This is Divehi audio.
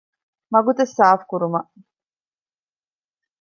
މަގުތައް ސާފުކުރުމަށް